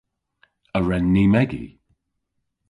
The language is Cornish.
A wren ni megi?